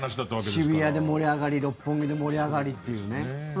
渋谷で盛り上がり六本木で盛り上がりっていうね。